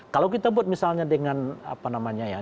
kalau kita buat misalnya dengan apa namanya ya